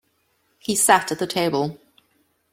He sat at the table.